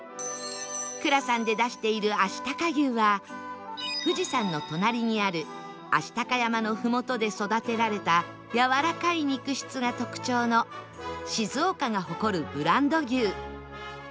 蔵さんで出しているあしたか牛は富士山の隣にある愛鷹山のふもとで育てられたやわらかい肉質が特徴の静岡が誇るブランド牛